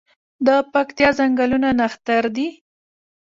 د پکتیا ځنګلونه نښتر دي